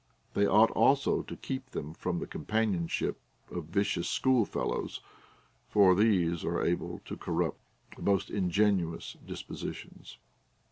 They ought also to keep them from the companionship of vicious school fellows, for these are able to corrupt the most in genuous dispositions.